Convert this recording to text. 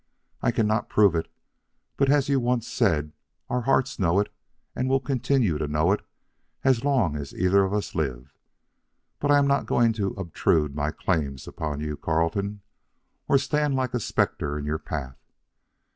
I cannot prove it, but as you once said, our hearts know it and will continue to know it as long as either of us lives. But I am not going to obtrude my claims upon you, Carleton, or stand like a specter in your path.